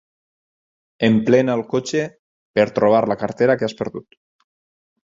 Emplena el cotxe per trobar la cartera que has perdut.